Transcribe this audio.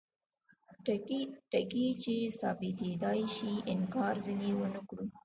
ټکي چې ثابتیدای شي انکار ځینې ونکړو.